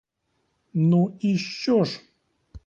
Ну, і що ж!